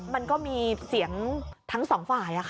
มันก็มีเสียงทั้งสองฝ่าย